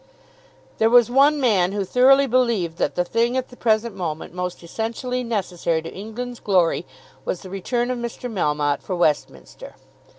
There was one man who thoroughly believed that the thing at the present moment most essentially necessary to England's glory was the return of Mr. Melmotte for Westminster.